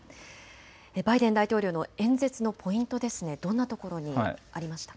バイデン大統領の演説のポイント、どんなところにありましたか。